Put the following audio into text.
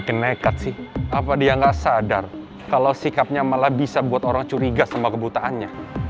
mbak mel makin nekat sih apa dia gak sadar kalau sikapnya malah bisa buat orang curiga sama kebutaannya